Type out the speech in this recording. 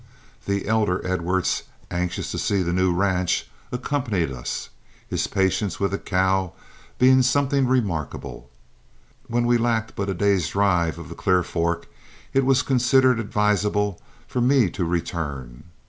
The elder Edwards, anxious to see the new ranch, accompanied us, his patience with a cow being something remarkable. When we lacked but a day's drive of the Clear Fork it was considered advisable for me to return.